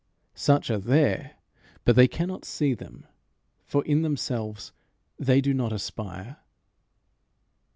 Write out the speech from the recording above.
Such are there, but they cannot see them, for in themselves they do not aspire.